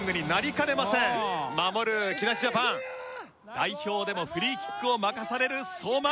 代表でもフリーキックを任される相馬。